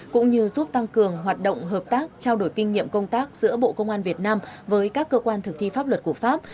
cũng như giúp tăng cường hoạt động hợp tác trao đổi kinh nghiệm công tác giữa bộ công an việt nam với các cơ quan thực thi pháp luật của pháp